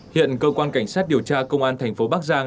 hiện cơ quan cảnh sát điều tra công an tp bắc giang